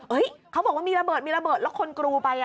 เฮ้ยเขาบอกว่ามีระเบิดแล้วคนกลัวไป